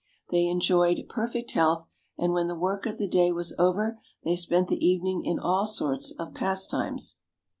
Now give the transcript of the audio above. They enjoyed perfect health, and when the work of the day was over they spent the evening in all sorts of pas times.